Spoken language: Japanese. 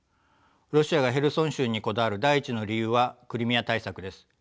ロシアがヘルソン州にこだわる第一の理由はクリミア対策です。